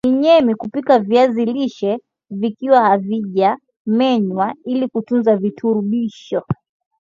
ni nyema kupika viazi lishe vikiwa havija menywa ili kutunza virutubisho